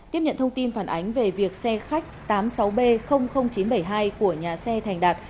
tiếp nhận thông tin phản ánh về việc xe khách tám mươi sáu b chín trăm bảy mươi hai của nhà xe thành đạt